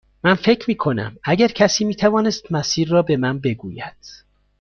من فکر می کنم اگر کسی می توانست مسیر را به من بگوید.